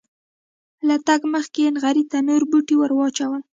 له تګه مخکې یې نغري ته نور بوټي ور واچول.